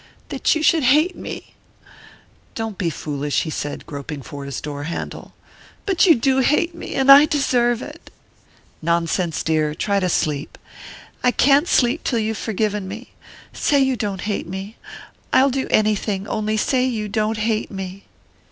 "That you should hate me " "Don't be foolish," he said, groping for his door handle. "But you do hate me and I deserve it!" "Nonsense, dear. Try to sleep." "I can't sleep till you've forgiven me. Say you don't hate me! I'll do anything...only say you don't hate me!"